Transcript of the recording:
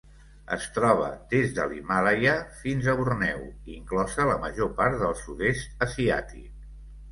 Es troba des de l'Himàlaia fins a Borneo, inclosa la major part del sud-est asiàtic.